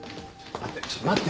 待ってちょっと待って！